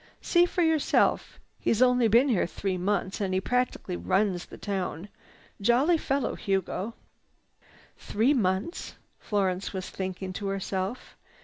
See for yourself. He's only been here three months and he practically runs the town. Jolly fellow, Hugo." "Three months," Florence was thinking to herself.